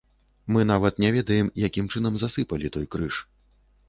Мы нават не ведаем, якім чынам засыпалі той крыж.